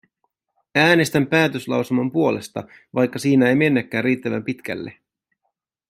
Äänestän päätöslauselman puolesta, vaikka siinä ei mennäkään riittävän pitkälle.